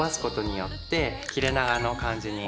切れ長の感じに。